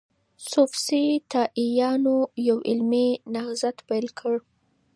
سوفسطائيانو يو علمي نهضت پيل کړ.